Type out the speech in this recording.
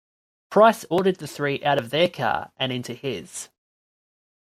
Price ordered the three out of their car and into his.